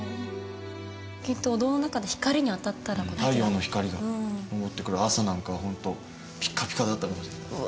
きっとお堂の中で光に当たったら太陽の光が昇ってくる朝なんかはホントピカピカだったかもしれないうわ